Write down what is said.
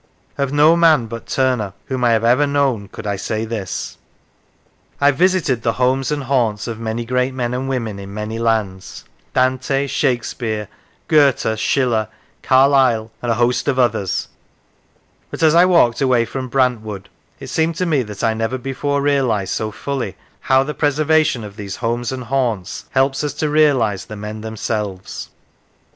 Of no man but Turner, whom I have ever known, could I say this." I have visited the homes and haunts of many great men and women, in many lands Dante, Shakespeare, Goethe, Schiller, Carlyle, and a host of others but as I walked away from Brantwood it seemed to me that I never before realised so fully how the preservation of these homes and haunts helps us to realise the men them selves.